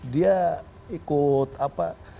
dia ikut apa